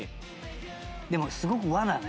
でもすごく和だね。